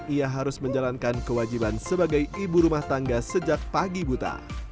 ia harus menjalankan kewajiban sebagai ibu rumah tangga sejak pagi buta